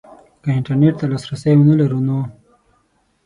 که انترنټ ته لاسرسی ونه لرو نو